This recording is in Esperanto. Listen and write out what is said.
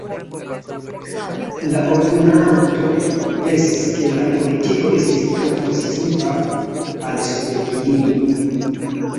La oponantoj pensis, ke la politiko estis tro pozitiva al Sovetunio.